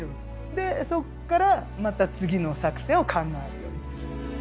でそっからまた次の作戦を考えるようにする。